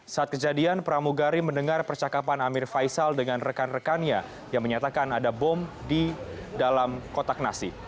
saat kejadian pramugari mendengar percakapan amir faisal dengan rekan rekannya yang menyatakan ada bom di dalam kotak nasi